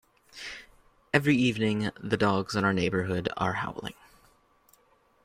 Every evening, the dogs in our neighbourhood are howling.